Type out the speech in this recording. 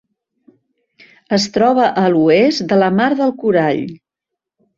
Es troba a l'oest de la Mar del Corall.